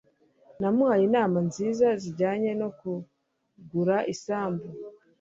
Namuhaye inama nziza zijyanye no kugura isambu.